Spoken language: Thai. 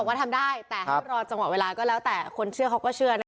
ว่าทำได้แต่ให้รอจังหวะเวลาก็แล้วแต่คนเชื่อเขาก็เชื่อนะคะ